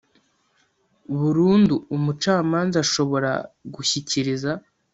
Burundu umucamanza ashobora gushyikiriza